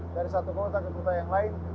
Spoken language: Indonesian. dari satu kota ke kota yang lain